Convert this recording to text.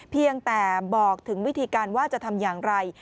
เพียงแต่บอกถึงวิธีการว่าจะทำอย่างไร